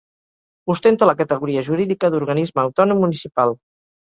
Ostenta la categoria jurídica d'organisme autònom municipal.